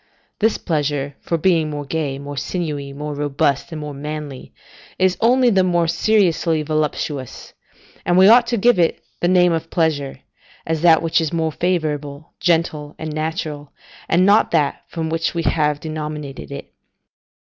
This pleasure, for being more gay, more sinewy, more robust and more manly, is only the more seriously voluptuous, and we ought give it the name of pleasure, as that which is more favourable, gentle, and natural, and not that from which we have denominated it.